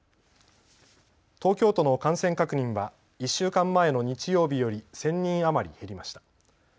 東京都の感染確認は１週間前の日曜日より１０００人余り減りました。